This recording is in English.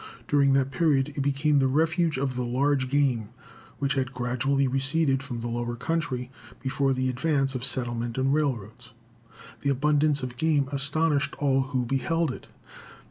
During that period it became the refuge of the large game which had gradually receded from the lower country before the advance of settlement and railroads. The abundance of game astonished all who beheld it.